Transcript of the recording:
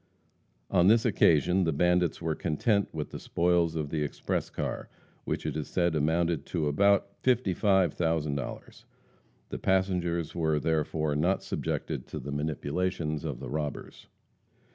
On this occasion the bandits were content with the spoils of the express car, which, it is said, amounted to about fifty five thousand dollars. The passengers were, therefore, not subjected to the manipulations of the robbers.